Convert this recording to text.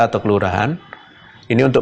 atau kelurahan ini untuk